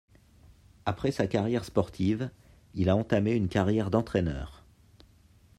Après sa carrière sportive, il a entamé une carrière d'entraîneur.